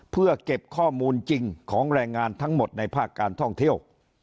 เพื่อเก็บข้อมูลจริงของแรงงานทั้งหมดในภาคการท่องเที่ยว